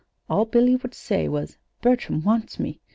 All Billy would say, was, 'Bertram wants me.'